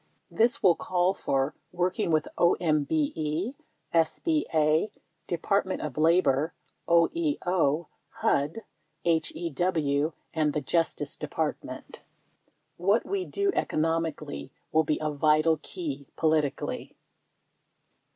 This will call for working with OMBE, SBA, Department of La bor, OEO, HUD, HEW and the Justice Department. What we do economically will be a vital key politically.